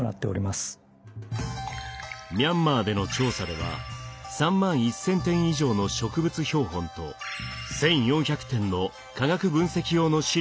ミャンマーでの調査では３万１，０００点以上の植物標本と１，４００点の化学分析用の試料を採集。